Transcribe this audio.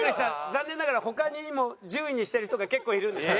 残念ながら他にも１０位にしてる人が結構いるんですよ。